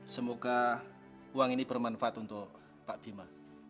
semoga uang ini bermanfaat untuk pak bima